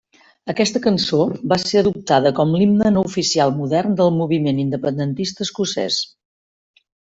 Aquesta cançó va ser adoptada com l'himne no oficial modern del moviment independentista escocès.